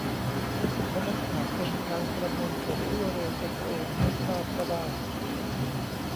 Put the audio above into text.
แล้วมันอาจเป็นการประมวลผลที่เร็วจนตัวเองไม่ทราบก็ได้